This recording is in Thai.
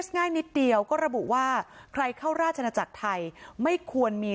ง่ายนิดเดียวก็ระบุว่าใครเข้าราชนาจักรไทยไม่ควรมี